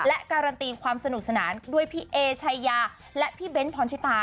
และการันตีความสนุกสนานด้วยพี่เอชายาและพี่เบ้นพรชิตา